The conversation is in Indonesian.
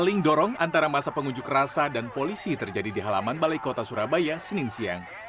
saling dorong antara masa pengunjuk rasa dan polisi terjadi di halaman balai kota surabaya senin siang